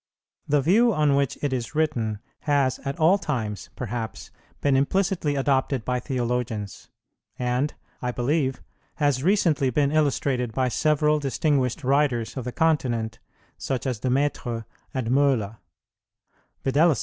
The view on which it is written has at all times, perhaps, been implicitly adopted by theologians, and, I believe, has recently been illustrated by several distinguished writers of the continent, such as De Maistre and Möhler: viz.